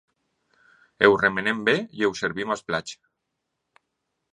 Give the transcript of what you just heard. Ho remenem bé i ho servim als plats.